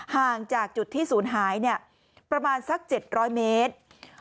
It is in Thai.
ห่างจากจุดที่ศูนย์หายประมาณสัก๗๐๐เมตร